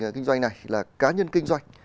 kinh doanh này là cá nhân kinh doanh